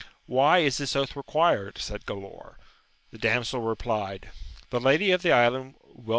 Why is this oath re quired 1 said Galaor. The damsel replied. The lady of the island wiSii \ia.